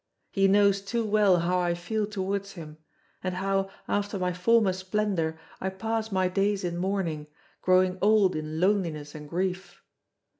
He knows too well how I feel towards him, and how, after my former splendour, I pass my days in mourning, growing old in loneliness and grief.